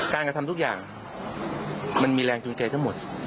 กระทำทุกอย่างมันมีแรงจูงใจทั้งหมด